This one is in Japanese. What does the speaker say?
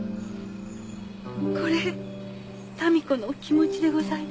これ民子のお気持ちでございます。